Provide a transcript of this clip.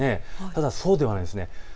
ただ、そうではないんです。